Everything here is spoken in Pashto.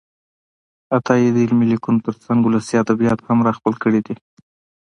عطايي د علمي لیکنو ترڅنګ ولسي ادبیات هم راخپل کړي دي.